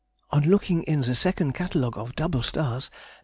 On looking in the 2nd Catalogue of double stars, No.